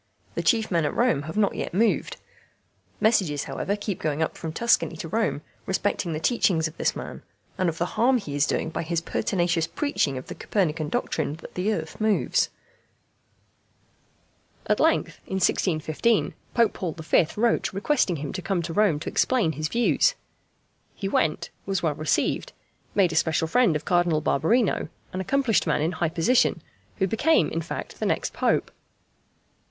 The chief men at Rome have not yet moved. Messages, however, keep going up from Tuscany to Rome respecting the teachings of this man, and of the harm he is doing by his pertinacious preaching of the Copernican doctrine that the earth moves. At length, in 1615, Pope Paul V. wrote requesting him to come to Rome to explain his views. He went, was well received, made a special friend of Cardinal Barberino an accomplished man in high position, who became in fact the next Pope.